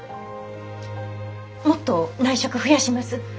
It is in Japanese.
もっと内職増やします。